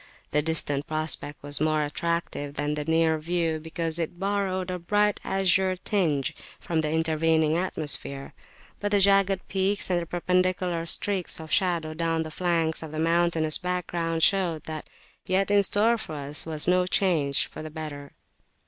The distant prospect was more attractive than the near view, because it borrowed a bright azure tinge from the intervening atmosphere; but the jagged peaks and the perpendicular streaks of shadow down the flanks of the mountainous background [p.253] showed that yet in store for us was no change for the better.